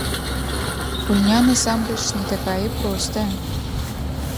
Гульня насамрэч не такая і простая.